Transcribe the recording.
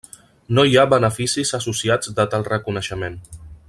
No hi ha beneficis associats de tal reconeixement.